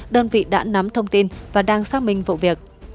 đơn vị đã nắm thông tin và đang xác minh vụ việc